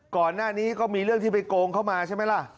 ก่อนหน้านี้ก็มีเรื่องที่ไปโกงเข้ามาใช่ไหมล่ะ